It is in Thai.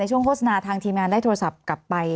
โฆษณาทางทีมงานได้โทรศัพท์กลับไป